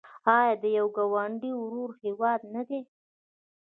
آیا د یو ګاونډي او ورور هیواد نه دی؟